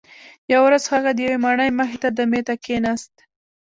یوه ورځ هغه د یوې ماڼۍ مخې ته دمې ته کښیناست.